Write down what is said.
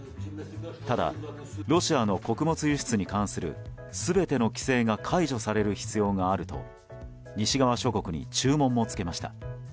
ただロシアの穀物輸出に関する全ての規制が解除される必要があると西側諸国に注文も付けました。